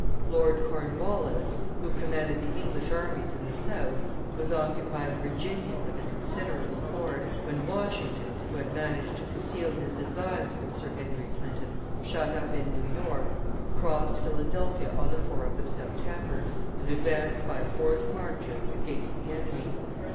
Lord Cornwallis, who commanded the English armies in the South, was occupying Virginia with a considerable force, when Washington, who had managed to conceal his designs from Sir Henry Clinton, shut up in New York, crossed Philadelphia on the 4th of September, and advanced by forced marches against the enemy.